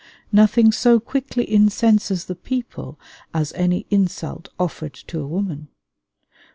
Nothing so quickly incenses the people as any insult offered to a woman.